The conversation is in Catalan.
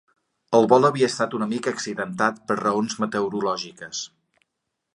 El vol havia estat una mica accidentat per raons meteorològiques.